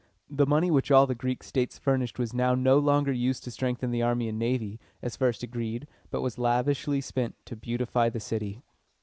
The money which all the Greek states furnished was now no longer used to strengthen the army and navy, as first agreed, but was lavishly spent to beautify the city.